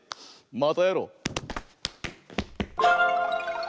またやろう！